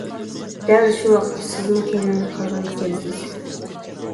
دەل شۇ ۋاقىتتا سىزمۇ كەينىڭىزگە قارىغان ئىكەنسىز.